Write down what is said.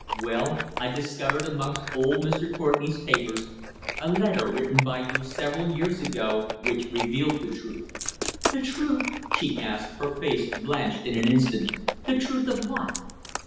Well, I discovered amongst old Mr. Courtenay's papers a letter written by you several years ago which revealed the truth." "The truth!" she gasped, her face blanched in an instant. "The truth of what?"